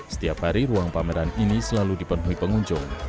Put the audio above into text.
setiap hari ruang pameran ini selalu dipenuhi pengunjung